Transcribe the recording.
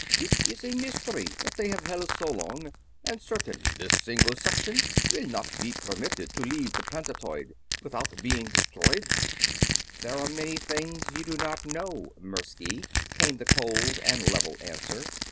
It is a mystery that they have held so long, and certainly this single section will not be permitted to leave the planetoid without being destroyed." "There are many things you do not know, Mirsky," came the cold and level answer.